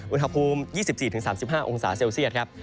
อุณหภูมิ๒๔๓๕องศาเซลเซียตครับ